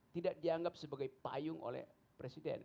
tidak dianggap sebagai payung oleh presiden